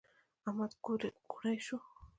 احمد ګوړۍ شو.